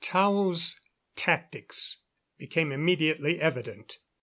Tao's tactics became immediately evident.